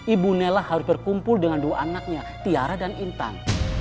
ibu nella harus berkumpul dengan dua anaknya tiara dan intan